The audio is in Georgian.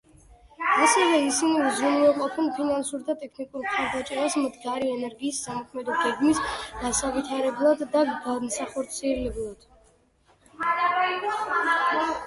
ასევე ისინი უზრუნველყოფენ ფინანსურ და ტექნიკურ მხარდაჭერას მდგრადი ენერგიის სამოქმედო გეგმის გასავითარებლად და განსახორციელებლად.